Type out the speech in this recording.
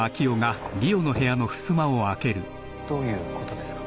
どういうことですか？